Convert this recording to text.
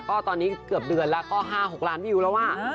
ก็ตอนนี้เกือบเดือนแล้วก็๕๖ล้านวิวแล้วอ่ะ